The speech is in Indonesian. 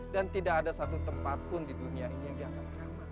dan tidak ada satu tempat pun di dunia ini yang tidak ada keramat